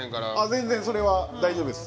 全然それは大丈夫です。